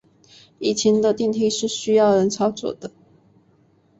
以前的电梯是需要人操作的。